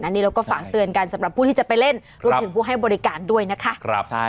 อันนี้เราก็ฝากเตือนกันสำหรับผู้ที่จะไปเล่นรวมถึงผู้ให้บริการด้วยนะคะ